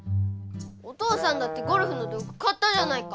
お父さんだってゴルフの道具買ったじゃないか。